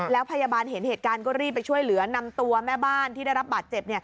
แล้วพยาบาลเห็นเหตุการณ์ก็รีบไปช่วยเหลือนำตัวแม่บ้านที่ได้รับบาดเจ็บ